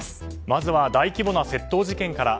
まずは大規模な窃盗事件から。